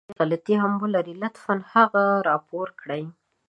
که کومه جمله وړه املائې غلطې هم ولري لطفاً هغه راپور کړئ!